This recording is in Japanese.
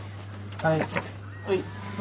はい。